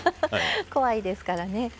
怖いですからね。